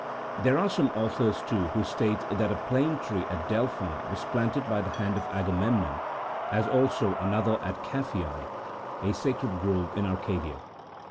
There are some authors, too, who state that a plane tree at Delphi was planted by the hand of Agamemnon, as also another at Caphyae, a sacred grove in Arcadia.